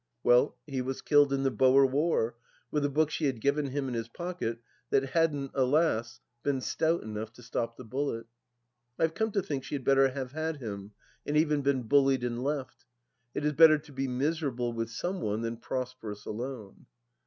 Well, he was killed in the Boer War, with a book she had given him in his pocket that hadn't, alas ! been stout enough to stop the bullet. I have come to think she had better have had him and even been bullied and left 1 It is better to be miserable with some one than prosperous alone.